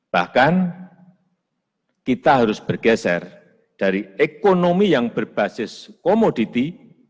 bahkan kita harus bergeser dari ekonomi yang berbasis komoditi